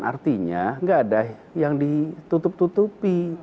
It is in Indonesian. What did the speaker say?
artinya nggak ada yang ditutup tutupi